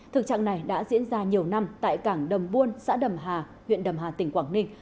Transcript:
thực trạng này đã diễn ra nhiều năm tại cảng đầm buôn xã đầm hà huyện đầm hà tỉnh quảng ninh